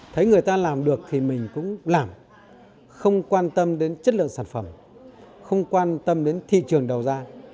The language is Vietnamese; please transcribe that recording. thấy người ta làm được thì mình cũng làm không quan tâm đến chất lượng sản phẩm không quan tâm đến thị trường đầu ra